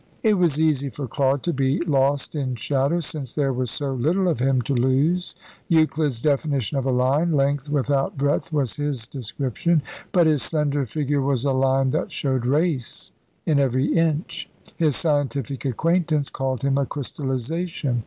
It was easy for Claude to be lost in shadow, since there was so little of him to lose. Euclid's definition of a line, length without breadth, was his description; but his slender figure was a line that showed race in every inch. His scientific acquaintance called him a crystallisation.